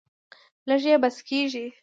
لږ یې بس کیږي.